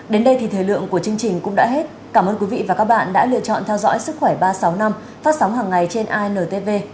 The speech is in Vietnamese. đến đây thì thời lượng của chương trình cũng đã hết cảm ơn quý vị và các bạn đã lựa chọn theo dõi sức khỏe ba trăm sáu mươi năm phát sóng hàng ngày trên intv